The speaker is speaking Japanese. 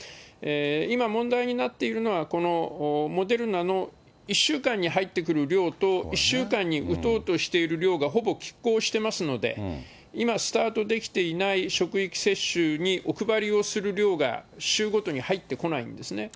今、問題になっているのは、このモデルナの１週間に入ってくる量と１週間に打とうとしている量がほぼきっ抗してますので、今スタートできていない職域接種にお配りをする量が週ごとに入ってこないんですね。